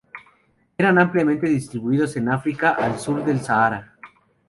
Están ampliamente distribuidos en África al sur del Sahara.